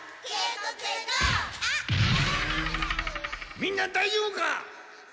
みんなだいじょうぶか！？